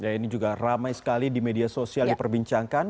ya ini juga ramai sekali di media sosial diperbincangkan